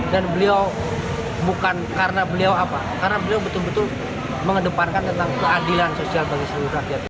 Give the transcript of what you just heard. dan beliau bukan karena beliau apa karena beliau betul betul mengedepankan tentang keadilan sosial bagi seluruh rakyat